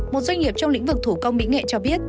một doanh nghiệp trong lĩnh vực thủ công mỹ nghệ cho biết